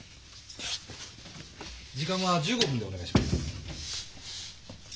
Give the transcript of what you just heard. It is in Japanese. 時間は１５分でお願いします。